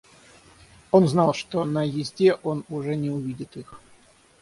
Он знал, что на езде он уже не увидит их.